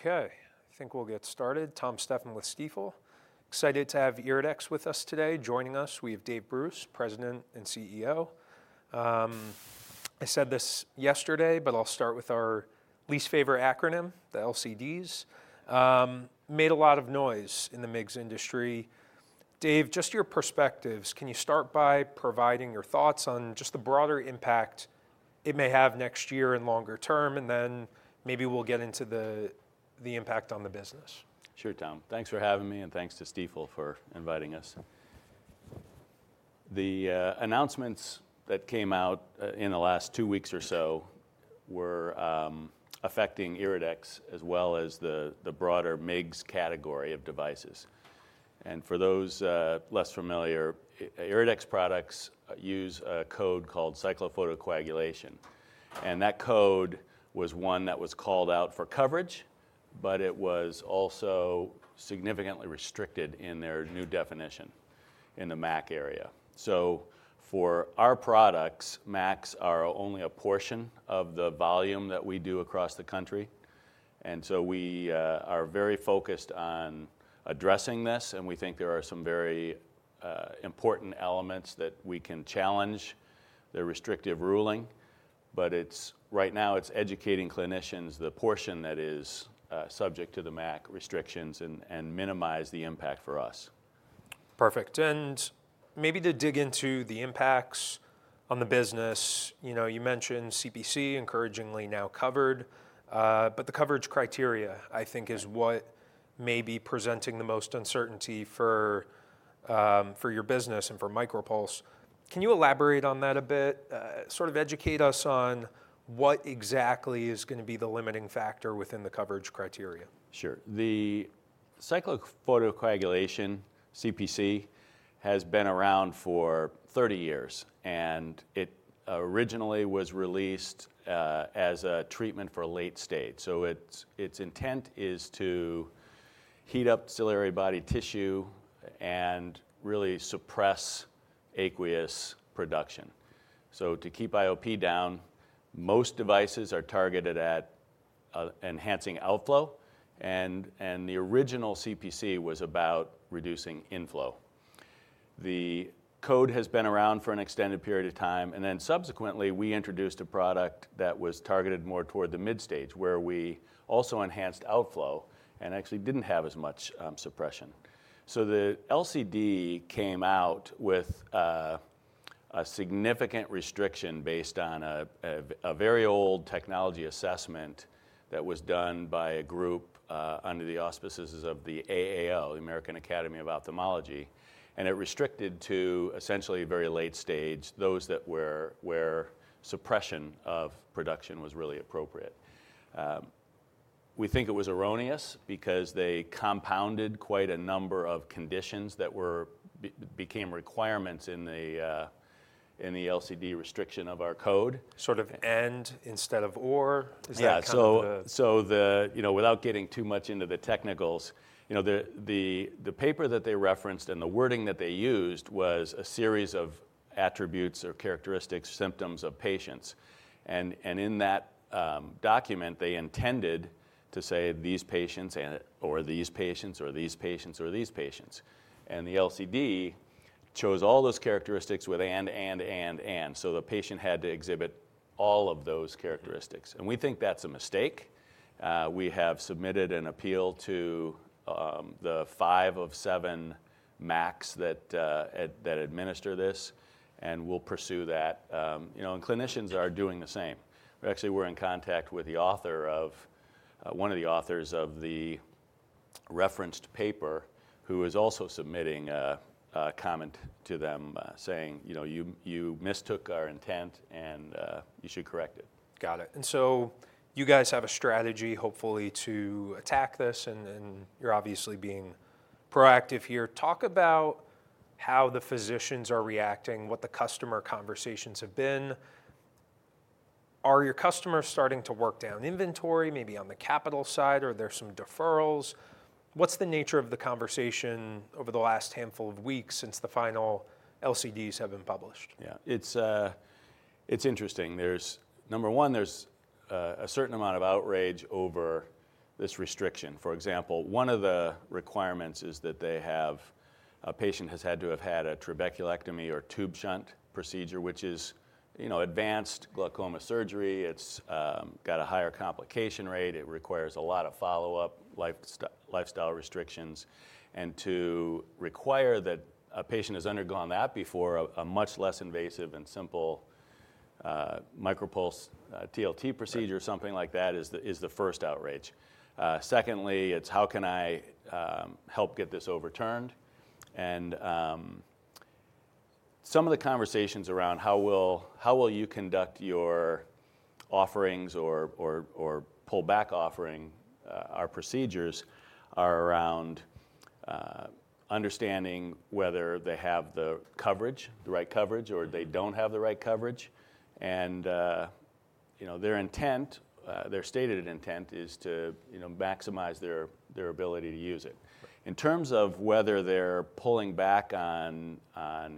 Okay, I think we'll get started. Tom Stephan with Stifel. Excited to have Iridex with us today. Joining us, we have Dave Bruce, President and CEO. I said this yesterday, but I'll start with our least favorite acronym, the LCDs. Made a lot of noise in the MIGS industry. Dave, just your perspectives, can you start by providing your thoughts on just the broader impact it may have next year and longer term, and then maybe we'll get into the, the impact on the business? Sure, Tom. Thanks for having me, and thanks to Stifel for inviting us. The announcements that came out in the last two weeks or so were affecting Iridex, as well as the broader MIGS category of devices. And for those less familiar, Iridex products use a code called cyclophotocoagulation, and that code was one that was called out for coverage, but it was also significantly restricted in their new definition in the MAC area. So for our products, MACs are only a portion of the volume that we do across the country, and so we are very focused on addressing this, and we think there are some very important elements that we can challenge the restrictive ruling. But it's... Right now, it's educating clinicians, the portion that is subject to the MAC restrictions and minimize the impact for us. Perfect. And maybe to dig into the impacts on the business, you know, you mentioned CPC, encouragingly now covered, but the coverage criteria, I think- Right... is what may be presenting the most uncertainty for your business and for MicroPulse. Can you elaborate on that a bit? Sort of educate us on what exactly is gonna be the limiting factor within the coverage criteria. Sure. The cyclophotocoagulation, CPC, has been around for 30 years, and it originally was released as a treatment for late stage. So its, its intent is to heat up ciliary body tissue and really suppress aqueous production. So to keep IOP down, most devices are targeted at enhancing outflow, and the original CPC was about reducing inflow. The code has been around for an extended period of time, and then subsequently, we introduced a product that was targeted more toward the mid stage, where we also enhanced outflow and actually didn't have as much suppression. So the LCD came out with a significant restriction based on a very old technology assessment that was done by a group under the auspices of the AAO, the American Academy of Ophthalmology, and it restricted to essentially very late stage, those where suppression of production was really appropriate. We think it was erroneous because they compounded quite a number of conditions that became requirements in the LCD restriction of our code. Sort of and instead of or? Is that kind of the- Yeah. So, you know, without getting too much into the technicals, you know, the paper that they referenced and the wording that they used was a series of attributes or characteristics, symptoms of patients. And in that document, they intended to say, "These patients, and, or these patients, or these patients, or these patients," and the LCD chose all those characteristics with and, so the patient had to exhibit all of those characteristics. Mm-hmm. We think that's a mistake. We have submitted an appeal to the five of seven MACs that administer this, and we'll pursue that. You know, and clinicians are doing the same. Actually, we're in contact with the author of one of the authors of the referenced paper, who is also submitting a comment to them, saying, "You know, you mistook our intent, and you should correct it. Got it. And so you guys have a strategy, hopefully, to attack this, and you're obviously being proactive here. Talk about how the physicians are reacting, what the customer conversations have been. Are your customers starting to work down inventory, maybe on the capital side? Are there some deferrals? What's the nature of the conversation over the last handful of weeks since the final LCDs have been published? Yeah. It's interesting. There's, number one, there's a certain amount of outrage over this restriction. For example, one of the requirements is that they have a patient has had to have had a trabeculectomy or tube shunt procedure, which is, you know, advanced glaucoma surgery. It's got a higher complication rate, it requires a lot of follow-up, lifestyle restrictions. And to require that a patient has undergone that before, a much less invasive and simple MicroPulse TLT procedure- Right... or something like that is the first outrage. Secondly, it's, "How can I help get this overturned?" And some of the conversations around how will you conduct your offerings or pull back offering our procedures are around understanding whether they have the coverage, the right coverage- Mm-hmm... or they don't have the right coverage. And, you know, their intent, their stated intent is to, you know, maximize their, their ability to use it. Right. In terms of whether they're pulling back on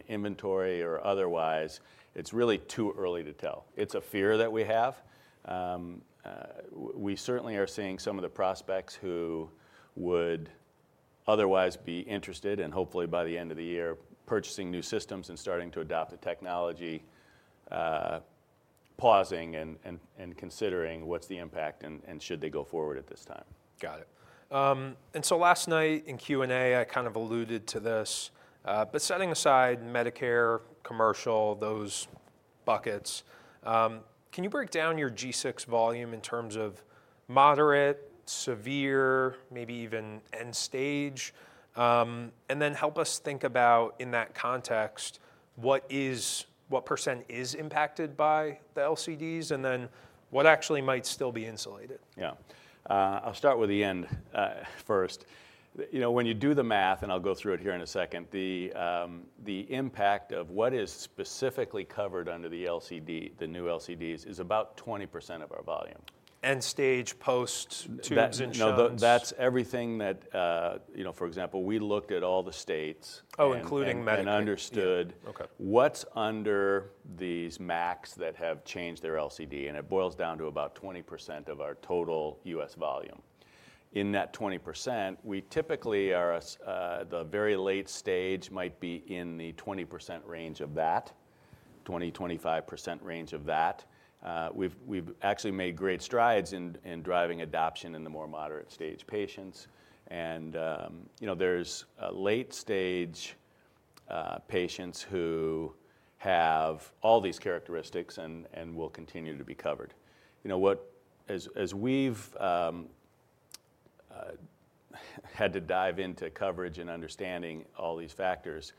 inventory or otherwise, it's really too early to tell. It's a fear that we have. We certainly are seeing some of the prospects who would otherwise be interested, and hopefully by the end of the year, purchasing new systems and starting to adopt the technology, pausing and considering what's the impact and should they go forward at this time? Got it. And so last night in Q&A, I kind of alluded to this, but setting aside Medicare, commercial, those buckets, can you break down your G6 volume in terms of moderate, severe, maybe even end stage? And then help us think about, in that context, what is- what percent is impacted by the LCDs, and then what actually might still be insulated? Yeah. I'll start with the end first. You know, when you do the math, and I'll go through it here in a second, the impact of what is specifically covered under the LCD, the new LCDs, is about 20% of our volume. End stage post tubes and shunts. No, that's everything that, you know, for example, we looked at all the states- Oh, including Medicare.... and understood- Okay... what's under these MACs that have changed their LCD, and it boils down to about 20% of our total US volume. In that 20%, we typically are, as the very late stage might be in the 20%-25% range of that. We've actually made great strides in driving adoption in the more moderate stage patients, and, you know, there's late-stage patients who have all these characteristics and will continue to be covered. You know, as we've had to dive into coverage and understanding all these factors,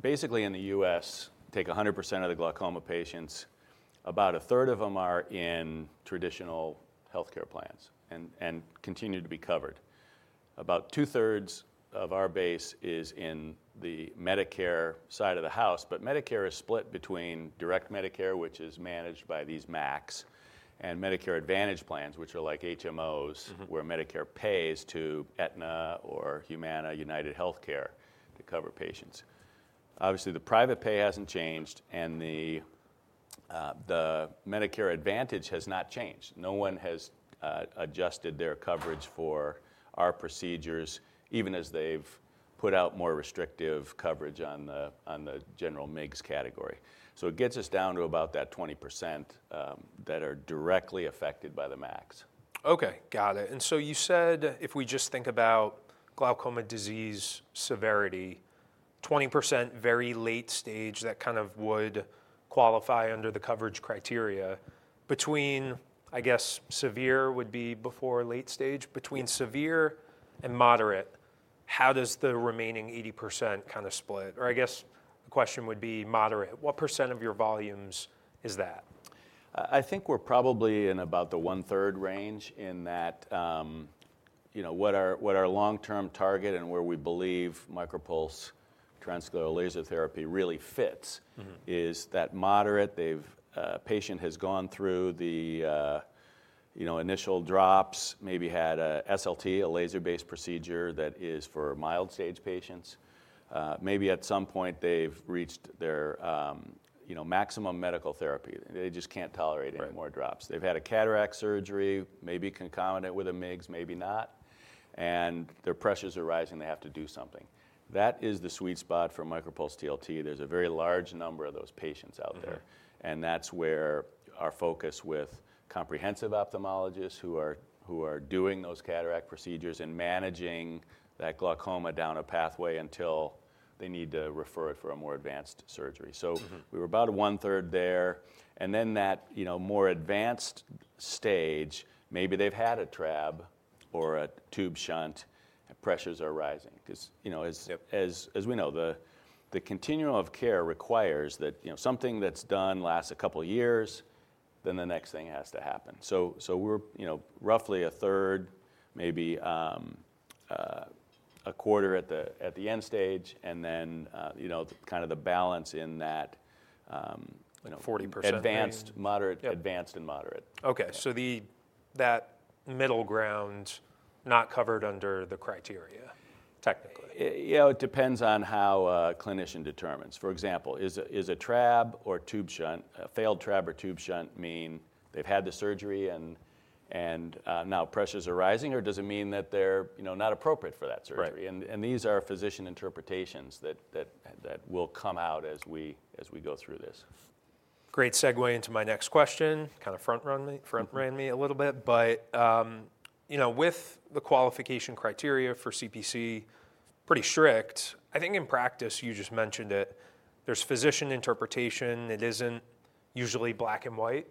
basically in the US, take 100% of the glaucoma patients, about a third of them are in traditional healthcare plans and continue to be covered. About two thirds of our base is in the Medicare side of the house, but Medicare is split between direct Medicare, which is managed by these MACs, and Medicare Advantage plans, which are like HMOs- Mm-hmm... where Medicare pays to Aetna or Humana, UnitedHealthcare to cover patients. Obviously, the private pay hasn't changed, and the, the Medicare Advantage has not changed. No one has adjusted their coverage for our procedures, even as they've put out more restrictive coverage on the general MIGS category. So it gets us down to about that 20%, that are directly affected by the MACs. Okay, got it. And so you said, if we just think about glaucoma disease severity, 20% very late stage, that kind of would qualify under the coverage criteria. Between, I guess, severe would be before late stage? Yeah. Between severe and moderate, how does the remaining 80% kind of split? Or I guess the question would be moderate. What % of your volumes is that? I think we're probably in about the one-third range in that, you know, what our long-term target and where we believe MicroPulse Transscleral Laser Therapy really fits- Mm-hmm... is that moderate, they've, patient has gone through the, you know, initial drops, maybe had a SLT, a laser-based procedure that is for mild stage patients. Maybe at some point they've reached their, you know, maximum medical therapy. They just can't tolerate- Right... any more drops. They've had a cataract surgery, maybe concomitant with a MIGS, maybe not, and their pressures are rising, they have to do something. That is the sweet spot for MicroPulse TLT. There's a very large number of those patients out there. Mm-hmm. That's where our focus with comprehensive ophthalmologists who are doing those cataract procedures and managing that glaucoma down a pathway until they need to refer it for a more advanced surgery. Mm-hmm. So we're about one-third there, and then that, you know, more advanced stage, maybe they've had a trab or a tube shunt, and pressures are rising. 'Cause, you know, as- Yep... as we know, the continuum of care requires that, you know, something that's done lasts a couple of years, then the next thing has to happen. So we're, you know, roughly a third, maybe a quarter at the end stage, and then, you know, kind of the balance in that, you know- 40%... advanced moderate Yep... advanced and moderate. Okay, so that middle ground not covered under the criteria, technically? You know, it depends on how a clinician determines. For example, is a trab or tube shunt, a failed trab or tube shunt mean they've had the surgery and now pressures are rising, or does it mean that they're, you know, not appropriate for that surgery? Right. These are physician interpretations that will come out as we go through this. Great segue into my next question. Kind of front ran me a little bit, but, you know, with the qualification criteria for CPC pretty strict, I think in practice, you just mentioned it, there's physician interpretation, it isn't usually black and white,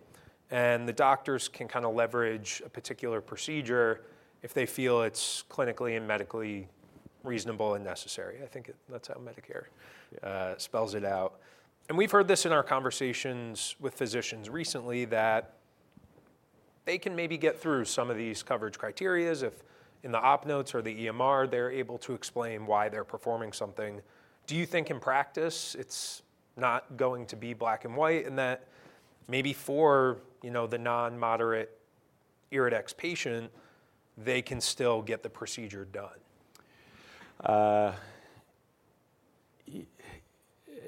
and the doctors can kind of leverage a particular procedure if they feel it's clinically and medically reasonable and necessary. I think it, that's how Medicare- Yeah... spells it out. We've heard this in our conversations with physicians recently, that they can maybe get through some of these coverage criteria if in the op notes or the EMR, they're able to explain why they're performing something. Do you think in practice, it's not going to be black and white, in that maybe for, you know, the non-moderate Iridex patient, they can still get the procedure done?...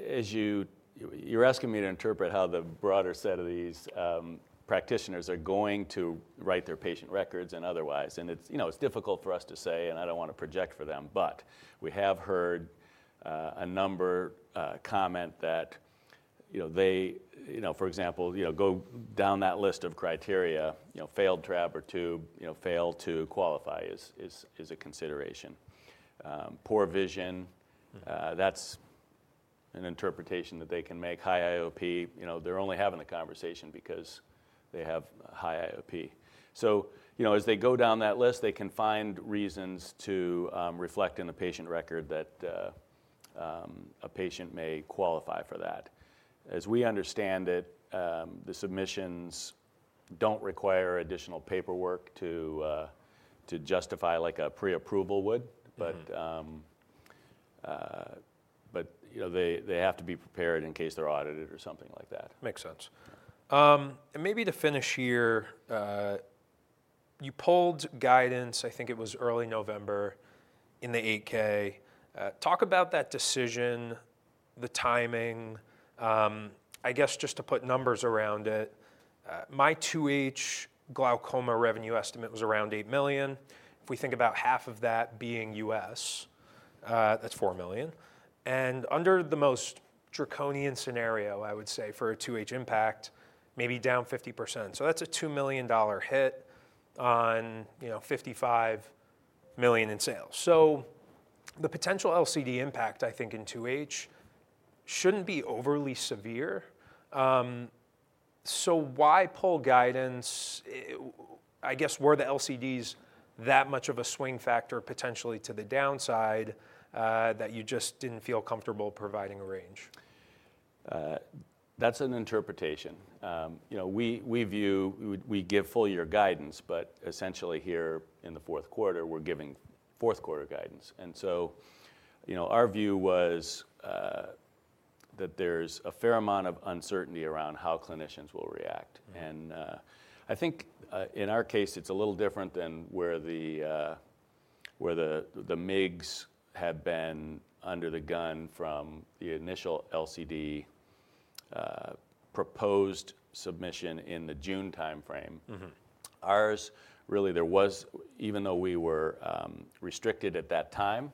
as you're asking me to interpret how the broader set of these practitioners are going to write their patient records and otherwise, and it's, you know, it's difficult for us to say, and I don't wanna project for them. But we have heard a number comment that, you know, they, you know, for example, you know, go down that list of criteria, you know, failed trab or tube, you know, fail to qualify is a consideration. Poor vision- Mm-hmm... that's an interpretation that they can make, high IOP. You know, they're only having the conversation because they have high IOP. So, you know, as they go down that list, they can find reasons to reflect in the patient record that a patient may qualify for that. As we understand it, the submissions don't require additional paperwork to to justify, like a pre-approval would. Mm-hmm. But you know, they, they have to be prepared in case they're audited or something like that. Makes sense. And maybe to finish here, you pulled guidance, I think it was early November, in the 8-K. Talk about that decision, the timing. I guess just to put numbers around it, my 2H glaucoma revenue estimate was around $8 million. If we think about half of that being U.S., that's $4 million, and under the most draconian scenario, I would say, for a 2H impact, maybe down 50%. So that's a $2 million hit on, you know, $55 million in sales. So the potential LCD impact, I think, in 2H, shouldn't be overly severe. So why pull guidance? I guess, were the LCDs that much of a swing factor potentially to the downside, that you just didn't feel comfortable providing a range? That's an interpretation. You know, we view, we give full year guidance, but essentially here in the Q4, we're giving Q4 guidance. And so, you know, our view was that there's a fair amount of uncertainty around how clinicians will react. Mm-hmm. I think, in our case, it's a little different than where the MIGS had been under the gun from the initial LCD proposed submission in the June timeframe. Mm-hmm. Ours, really, there was... Even though we were restricted at that time,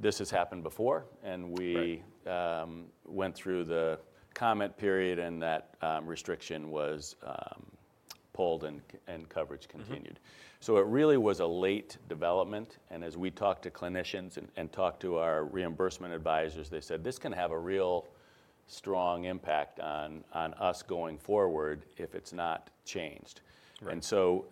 this has happened before, and we- Right... went through the comment period, and that restriction was pulled. Mm-hmm... and coverage continued. So it really was a late development, and as we talked to clinicians and talked to our reimbursement advisors, they said, "This can have a real strong impact on us going forward if it's not changed. Right. And so,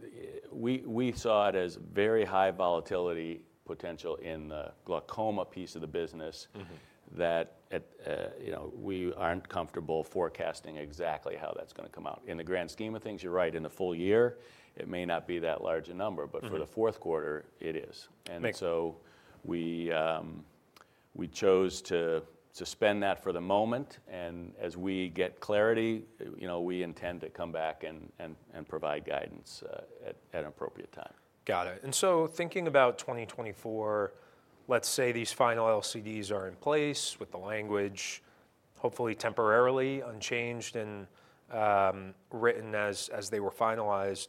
we saw it as very high volatility potential in the glaucoma piece of the business- Mm-hmm... that you know, we aren't comfortable forecasting exactly how that's gonna come out. In the grand scheme of things, you're right, in a full year, it may not be that large a number- Mm-hmm... but for the Q4, it is. Makes- So we chose to suspend that for the moment, and as we get clarity, you know, we intend to come back and provide guidance at an appropriate time. Got it. And so thinking about 2024, let's say these final LCDs are in place with the language, hopefully temporarily unchanged and, written as, as they were finalized.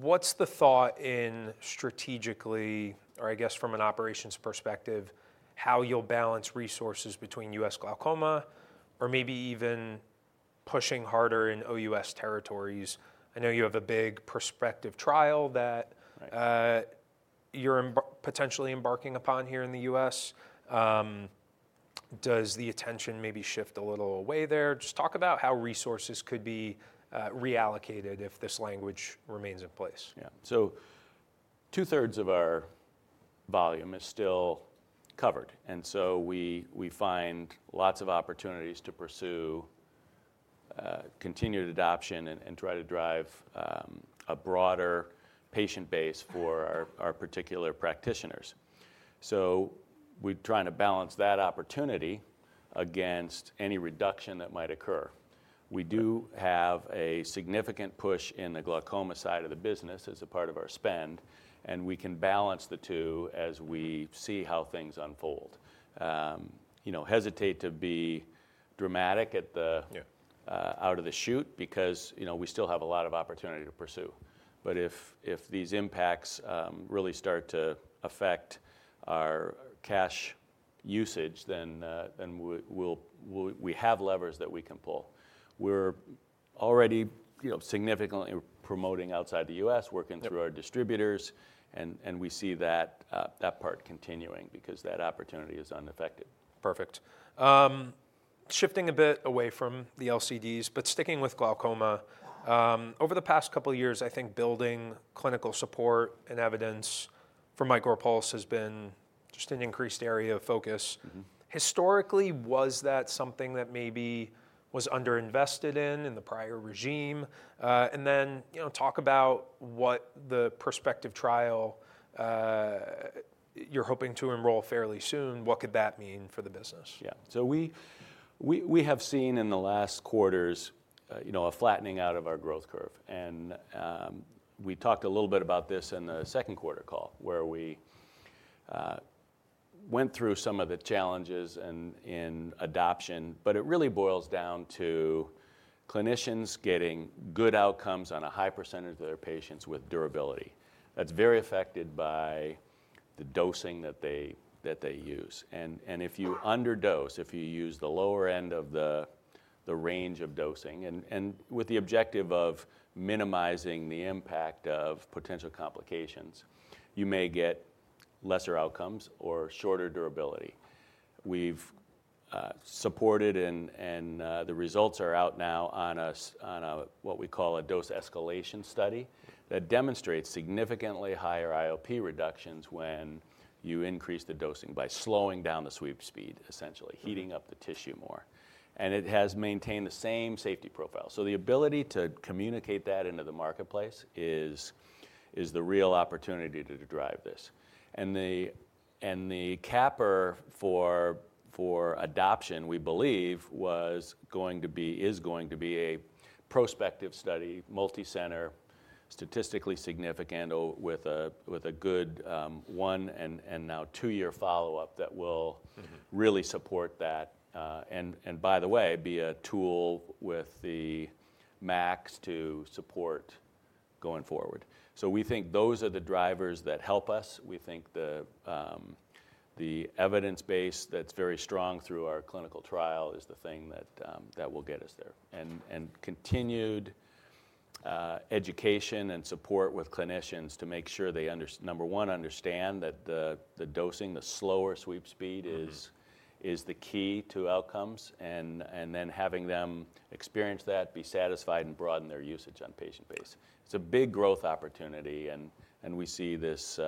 What's the thought in strategically, or I guess, from an operations perspective, how you'll balance resources between US glaucoma or maybe even pushing harder in OUS territories? I know you have a big prospective trial that- Right ... you're potentially embarking upon here in the US. Does the attention maybe shift a little away there? Just talk about how resources could be reallocated if this language remains in place. Yeah. So two-thirds of our volume is still covered, and so we find lots of opportunities to pursue continued adoption and try to drive a broader patient base for our particular practitioners. So we're trying to balance that opportunity against any reduction that might occur. Right. We do have a significant push in the glaucoma side of the business as a part of our spend, and we can balance the two as we see how things unfold. You know, hesitate to be dramatic at the- Yeah... out of the chute because, you know, we still have a lot of opportunity to pursue. But if these impacts really start to affect our cash usage, then we'll have levers that we can pull. We're already, you know, significantly promoting outside the US, working- Yep... through our distributors, and, and we see that that part continuing because that opportunity is unaffected. Perfect. Shifting a bit away from the LCDs, but sticking with glaucoma, over the past couple of years, I think building clinical support and evidence for MicroPulse has been just an increased area of focus. Mm-hmm. Historically, was that something that maybe was underinvested in, in the prior regime? And then, you know, talk about what the prospective trial you're hoping to enroll fairly soon, what could that mean for the business? Yeah. So we have seen in the last quarters, you know, a flattening out of our growth curve. And we talked a little bit about this in the Q2 call, where we went through some of the challenges and in adoption. But it really boils down to clinicians getting good outcomes on a high percentage of their patients with durability. That's very affected by the dosing that they use. And if you underdose, if you use the lower end of the range of dosing, and with the objective of minimizing the impact of potential complications, you may get lesser outcomes or shorter durability. We've supported, and the results are out now on what we call a dose escalation study that demonstrates significantly higher IOP reductions when you increase the dosing by slowing down the sweep speed, essentially. Mm-hmm... heating up the tissue more. And it has maintained the same safety profile. So the ability to communicate that into the marketplace is the real opportunity to drive this. And the capper for adoption, we believe, was going to be, is going to be a prospective study, multicenter, statistically significant, with a good one and now two-year follow-up that will- Mm-hmm... really support that, by the way, be a tool with the MAC to support going forward. So we think those are the drivers that help us. We think the evidence base that's very strong through our clinical trial is the thing that will get us there. And continued education and support with clinicians to make sure they understand number one, understand that the dosing, the slower sweep speed is- Mm-hmm... is the key to outcomes, and then having them experience that, be satisfied, and broaden their usage on patient base. It's a big growth opportunity, and we see this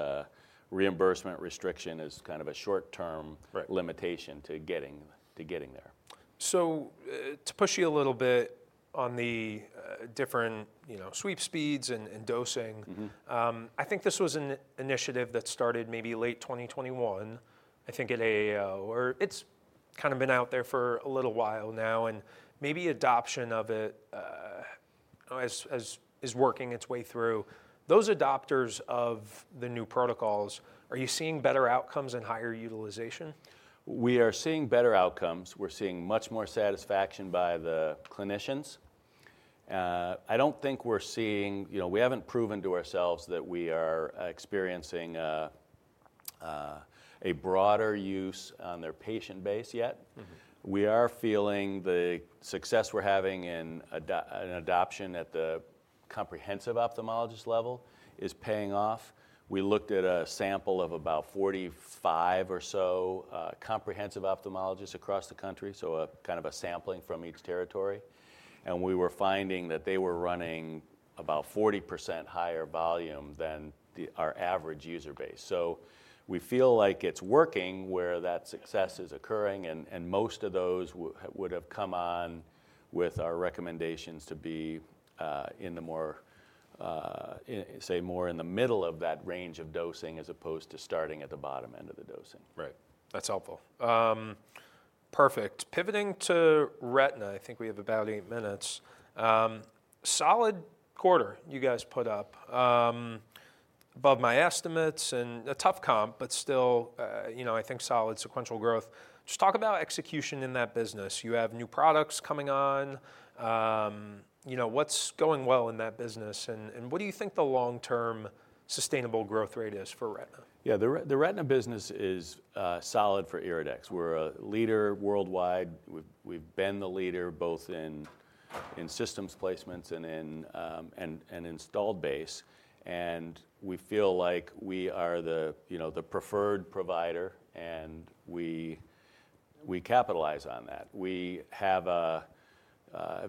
reimbursement restriction as kind of a short-term- Right... limitation to getting there. So, to push you a little bit on the different, you know, sweep speeds and dosing- Mm-hmm... I think this was an initiative that started maybe late 2021, I think, at AAO, or it's kind of been out there for a little while now, and maybe adoption of it, as is working its way through. Those adopters of the new protocols, are you seeing better outcomes and higher utilization? We are seeing better outcomes. We're seeing much more satisfaction by the clinicians. I don't think we're seeing- you know, we haven't proven to ourselves that we are experiencing a, a broader use on their patient base yet. Mm-hmm. We are feeling the success we're having in adoption at the comprehensive ophthalmologist level is paying off. We looked at a sample of about 45 or so comprehensive ophthalmologists across the country, so a kind of a sampling from each territory, and we were finding that they were running about 40% higher volume than our average user base. So we feel like it's working where that success is occurring, and most of those would have come on with our recommendations to be in the more, say, more in the middle of that range of dosing, as opposed to starting at the bottom end of the dosing. Right. That's helpful. Perfect. Pivoting to Retina, I think we have about eight minutes. Solid quarter, you guys put up. Above my estimates, and a tough comp, but still, you know, I think solid sequential growth. Just talk about execution in that business. You have new products coming on. You know, what's going well in that business, and what do you think the long-term sustainable growth rate is for Retina? Yeah, the Retina business is solid for Iridex. We're a leader worldwide. We've been the leader both in systems placements and in installed base, and we feel like we are the, you know, the preferred provider, and we capitalize on that. We have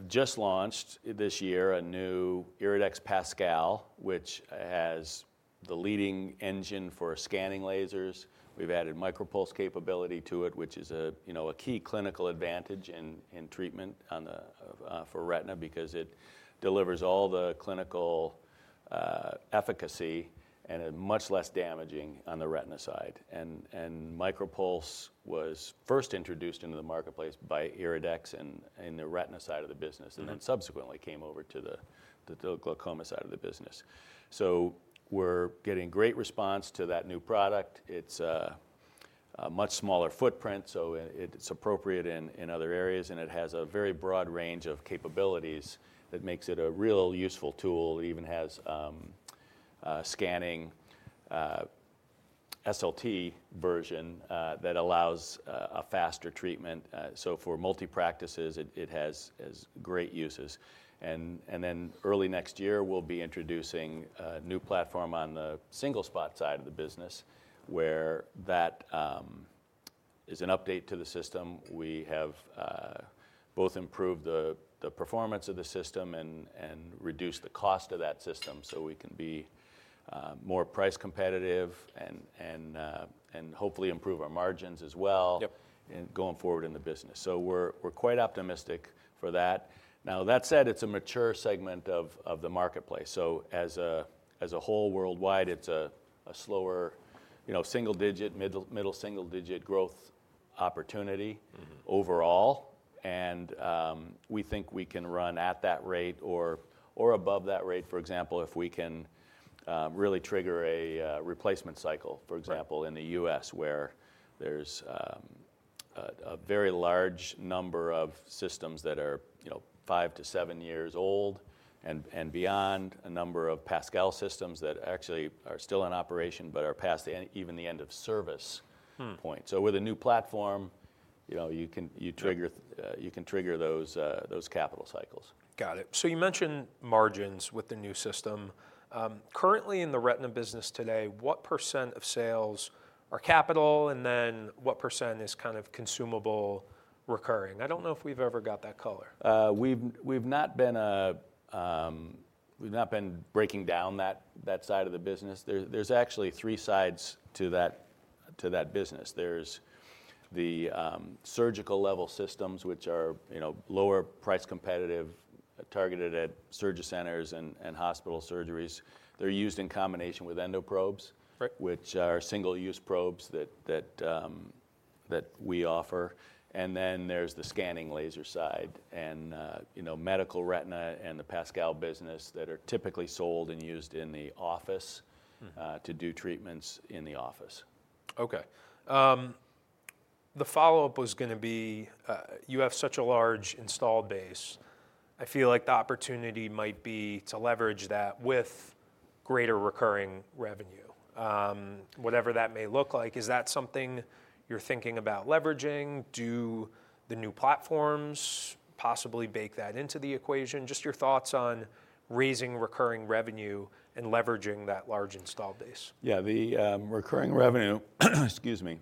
just launched this year a new Iridex PASCAL, which has the leading engine for scanning lasers. We've added MicroPulse capability to it, which is a, you know, a key clinical advantage in treatment for Retina because it delivers all the clinical efficacy and is much less damaging on the Retina side. MicroPulse was first introduced into the marketplace by Iridex in the Retina side of the business. Mm-hmm... and then subsequently came over to the glaucoma side of the business. So we're getting great response to that new product. It's a much smaller footprint, so it, it's appropriate in other areas, and it has a very broad range of capabilities that makes it a real useful tool. It even has a scanning SLT version that allows a faster treatment, so for multi practices, it has great uses. And then early next year, we'll be introducing a new platform on the single spot side of the business, where that is an update to the system. We have both improved the performance of the system and reduced the cost of that system, so we can be more price competitive and hopefully improve our margins as well- Yep ...going forward in the business. So we're quite optimistic for that. Now, that said, it's a mature segment of the marketplace, so as a whole worldwide, it's a slower, you know, single-digit, middle single-digit growth opportunity. Mm-hmm. -overall, and we think we can run at that rate or above that rate. For example, if we can really trigger a replacement cycle, for example- Right... in the US, where there's a very large number of systems that are, you know, 5-7 years old and beyond. A number of PASCAL systems that actually are still in operation, but are past the end, even the end of service- Hmm ...point. So with a new platform, you know, you can, you trigger- Right... you can trigger those, those capital cycles. Got it. So you mentioned margins with the new system. Currently in the Retina business today, what % of sales are capital, and then what % is kind of consumable recurring? I don't know if we've ever got that color. We've not been breaking down that side of the business. There's actually three sides to that business. There's the surgical level systems, which are, you know, lower price competitive, targeted at surgery centers and hospital surgeries. They're used in combination with EndoProbes- Right... which are single-use probes that we offer. And then there's the scanning laser side, and, you know, medical Retina and the PASCAL business that are typically sold and used in the office- Mm-hmm... to do treatments in the office. Okay. The follow-up was gonna be, you have such a large installed base. I feel like the opportunity might be to leverage that with greater recurring revenue, whatever that may look like. Is that something you're thinking about leveraging? Do the new platforms possibly bake that into the equation? Just your thoughts on raising recurring revenue and leveraging that large installed base. Yeah, the recurring revenue, excuse me,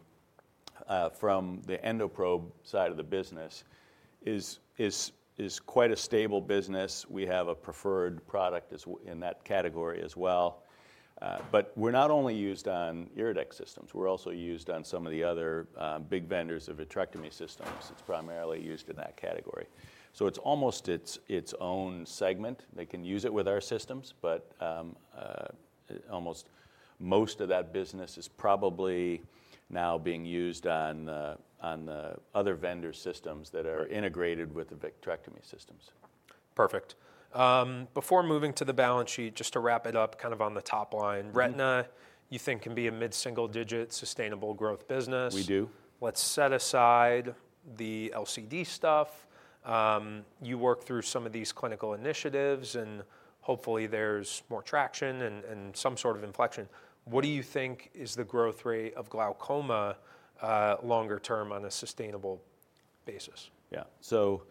from the EndoProbe side of the business is quite a stable business. We have a preferred product as in that category as well. But we're not only used on Iridex systems, we're also used on some of the other big vendors of vitrectomy systems. It's primarily used in that category. So it's almost its own segment. They can use it with our systems, but almost most of that business is probably now being used on the other vendor systems that are integrated with the vitrectomy systems. Perfect. Before moving to the balance sheet, just to wrap it up kind of on the top line. Mm-hmm. Retina, you think can be a mid-single-digit, sustainable growth business. We do. Let's set aside the LCD stuff. You work through some of these clinical initiatives, and hopefully there's more traction and some sort of inflection. What do you think is the growth rate of glaucoma, longer term on a sustainable basis? Yeah. So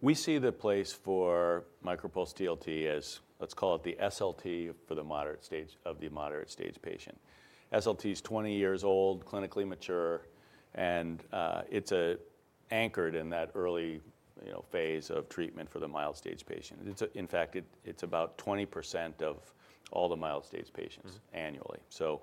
we see the place for MicroPulse TLT as, let's call it the SLT for the moderate stage of the moderate stage patient. SLT is 20 years old, clinically mature, and, it's, anchored in that early, you know, phase of treatment for the mild stage patient. It's a... In fact, it, it's about 20% of all the mild stage patients- Mm-hmm... annually. So,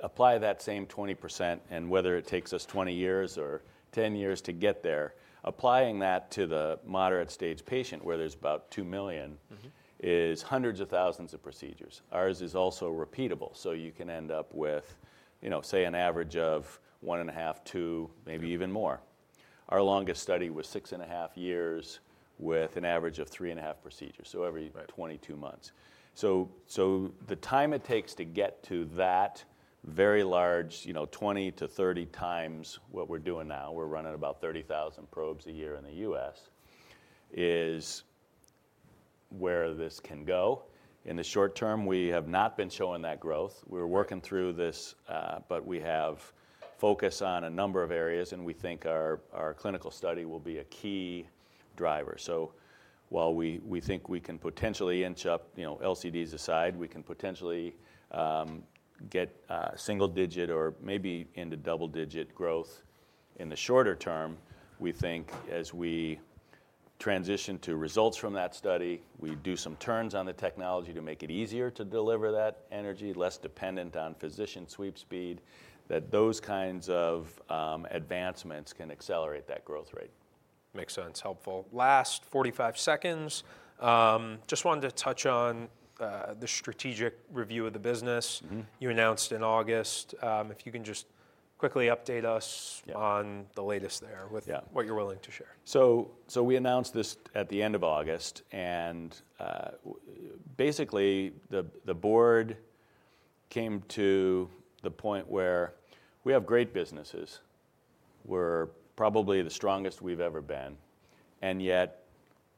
apply that same 20%, and whether it takes us 20 years or 10 years to get there, applying that to the moderate stage patient, where there's about 2 million- Mm-hmm... is hundreds of thousands of procedures. Ours is also repeatable, so you can end up with, you know, say, an average of 1.5, 2, maybe even more. Our longest study was 6.5 years, with an average of 3.5 procedures, so every- Right... 22 months. So, the time it takes to get to that very large, you know, 20-30 times what we're doing now, we're running about 30,000 probes a year in the US, is where this can go. In the short term, we have not been showing that growth. We're working through this, but we have focus on a number of areas, and we think our clinical study will be a key driver. So while we think we can potentially inch up, you know, LCDs aside, we can potentially get a single-digit or maybe into double-digit growth in the shorter term. We think as we transition to results from that study, we do some turns on the technology to make it easier to deliver that energy, less dependent on physician sweep speed, that those kinds of advancements can accelerate that growth rate. Makes sense. Helpful. Last 45 seconds, just wanted to touch on the strategic review of the business- Mm-hmm... you announced in August. If you can just quickly update us- Yeah... on the latest there- Yeah... with what you're willing to share. So we announced this at the end of August, and basically, the board came to the point where we have great businesses. We're probably the strongest we've ever been, and yet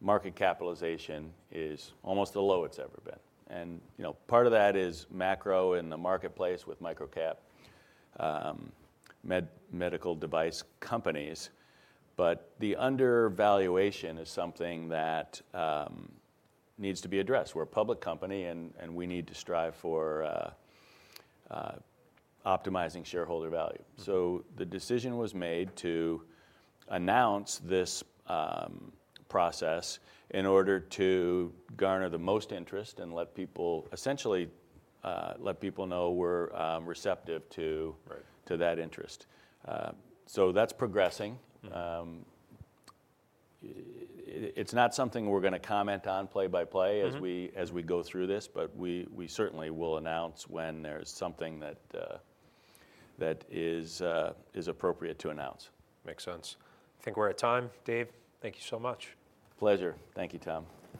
market capitalization is almost the lowest it's ever been. You know, part of that is macro in the marketplace with microcap medical device companies. But the undervaluation is something that needs to be addressed. We're a public company, and we need to strive for optimizing shareholder value. Mm-hmm. So the decision was made to announce this process in order to garner the most interest and let people... essentially let people know we're receptive to- Right... to that interest. So that's progressing. Mm-hmm. It's not something we're gonna comment on play by play- Mm-hmm... as we go through this, but we certainly will announce when there's something that is appropriate to announce. Makes sense. I think we're at time. Dave, thank you so much. Pleasure. Thank you, Tom.